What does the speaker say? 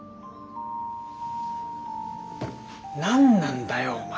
何なんだよお前。